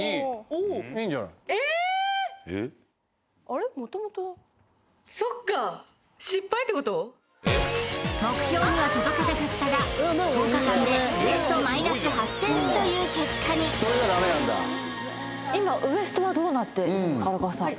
あら目標のそっか目標には届かなかったが１０日間でウエストマイナス８ｃｍという結果に今ウエストはどうなってるんですか？